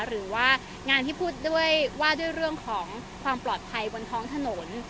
หรือว่างานที่พูดด้วยว่าด้วยเรื่องของความปลอดภัยบนท้องถนน